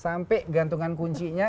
sampai gantungan kuncinya